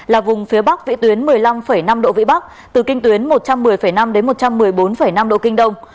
là vùng phía bắc vĩ tuyến một mươi năm năm độ vĩ bắc từ kinh tuyến một trăm một mươi năm đến một trăm một mươi bốn năm độ kinh đông